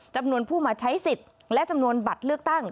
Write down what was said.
จำนวนผู้มาใช้สิทธิ์และจำนวนบัตรเลือกตั้ง